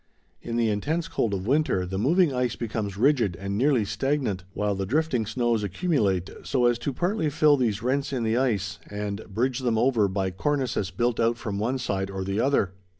In the intense cold of winter the moving ice becomes rigid and nearly stagnant, while the drifting snows accumulate, so as partly to fill these rents in the ice and bridge them over by cornices built out from one side or the other.